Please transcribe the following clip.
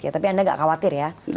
tapi anda nggak khawatir ya